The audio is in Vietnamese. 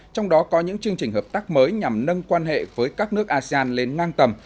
trong đó có những chương trình hợp tác mới nhằm nâng quan hệ với các nước asean lên ngang tầm